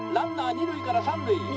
「二塁から三塁」。